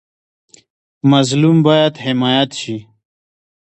مظلوم باید حمایت شي